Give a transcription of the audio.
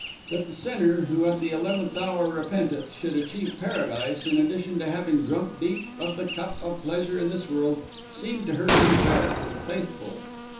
That the sinner, who at the eleventh hour repenteth, should achieve Paradise in addition to having drunk deep of the cup of pleasure in this world, seemed to her unfair to the faithful.